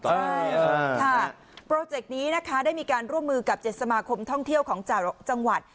ใช่ค่ะโปรเจกต์นี้นะคะได้มีการร่วมมือกับ๗สมาคมท่องเที่ยวของจากจังหวัด